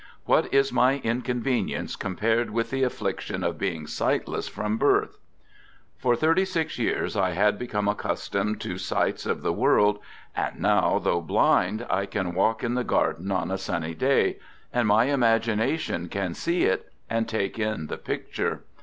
What is my inconvenience compared with the affliction of being sightless from birth ? For thirty six years I had become accustomed to sights of the world and now, though blind, I can walk in the garden on a sunny day; and my imag ination can see it and take in the picture.